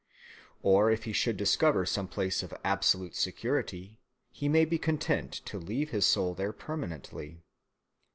Or if he should discover some place of absolute security, he may be content to leave his soul there permanently.